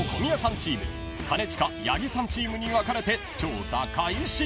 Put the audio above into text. チーム兼近八木さんチームに分かれて調査開始］